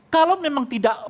kalau memang tidak